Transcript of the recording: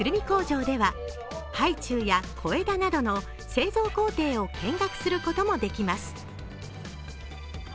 工場ではハイチュウや小枝などの製造工程を見学することもできます。